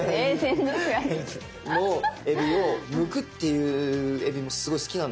のえびをむくっていうえびもすごい好きなんですよね。